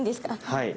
はい。